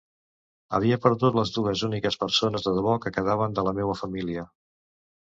Havia perdut les dues úniques persones de debò que quedaven de la meua família.